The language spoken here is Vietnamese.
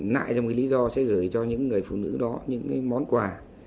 nại trong lý do sẽ gửi cho những người phụ nữ đó những món quà